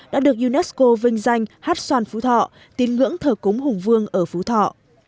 đã được unesco vinh danh hát xoan phú thọ tín ngưỡng thờ cúng hùng vương ở phú thọ